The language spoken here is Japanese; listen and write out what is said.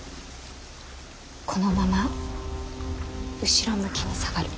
このまま後ろ向きに下がる。